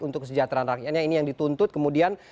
untuk kesejahteraan rakyatnya ini yang dituntut kemudian